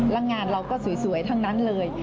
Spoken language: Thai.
แล้วงานเราก็สวยทั้งนั้นเลย